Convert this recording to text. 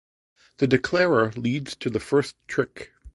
The declarer leads to the first trick.